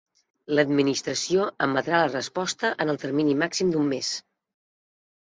L'Administració emetrà la resposta en el termini màxim d'un mes.